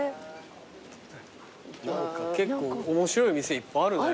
結構面白い店いっぱいあるね。